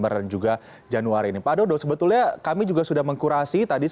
pertama mungkin tadi yang ulasan terkait